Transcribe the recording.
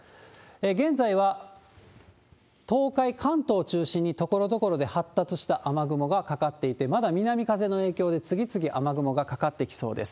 現在は、東海、関東を中心に、ところどころで発達した雨雲がかかっていて、まだ南風の影響で次々雨雲がかかってきそうです。